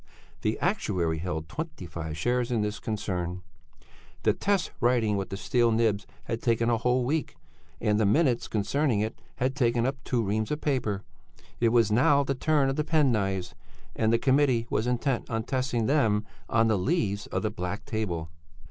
(The actuary held twenty five shares in this concern.) The test writing with the steel nibs had taken a whole week, and the minutes concerning it had taken up two reams of paper. It was now the turn of the penknives, and the committee was intent on testing them on the leaves of the black table.